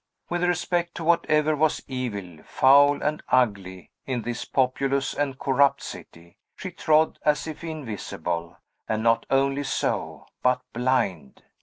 With respect to whatever was evil, foul, and ugly, in this populous and corrupt city, she trod as if invisible, and not only so, but blind.